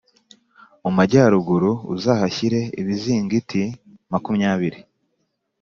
mu majyaruguru uzahashyire ibizingiti makumyabiri .